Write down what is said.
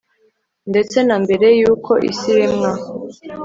Ndetse na mbere yuko isi iremwa